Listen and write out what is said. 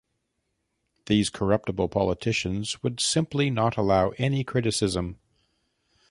These corruptible politicians would simply not allow any criticism...